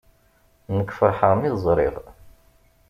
Nekk ferḥeɣ mi t-ẓriɣ.